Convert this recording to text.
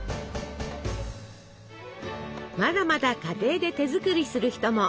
まだまだ家庭で手作りする人も。